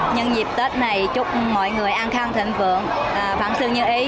nhân dịp tết này chúc mọi người an khang thịnh vượng vạn sương như ý